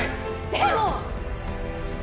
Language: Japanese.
でも！